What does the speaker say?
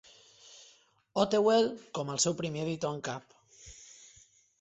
Ottewell com el seu primer editor en cap.